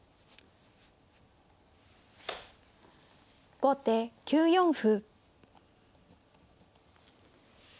後手９四歩。